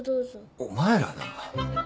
お前らなぁ。